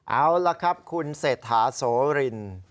เอาล่ะครับคุณเศรษฐาโสริน